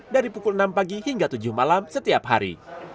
dari pukul enam pagi hingga tujuh malam setiap hari